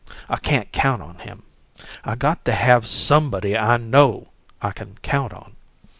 I can't count on him. I got to have SOMEBODY I KNOW I can count on.